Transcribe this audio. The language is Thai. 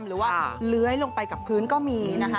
หรือว่าเลื้อยลงไปกับพื้นก็มีนะคะ